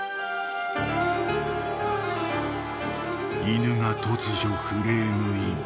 ［犬が突如フレームイン］